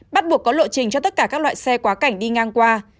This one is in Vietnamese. bắt buộc có lộ trình cho tất cả các loại xe quá cảnh đi ngang qua